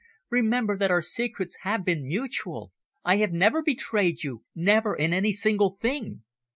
"Remember that our secrets have been mutual. I have never betrayed you never in any single thing."